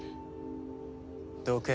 どけ。